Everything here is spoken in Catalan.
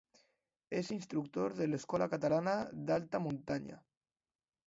És instructor de l’Escola Catalana d’Alta Muntanya.